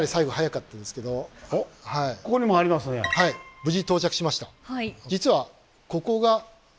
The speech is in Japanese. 無事到着しました。